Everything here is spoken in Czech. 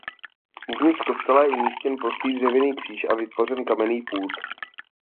Uvnitř kostela je umístěn prostý dřevěný kříž a vytvořen kamenný pult.